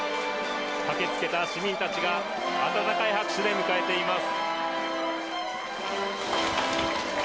駆けつけた市民たちが温かい拍手で迎えています。